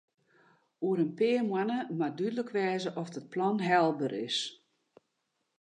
Oer in pear moanne moat dúdlik wêze oft it plan helber is.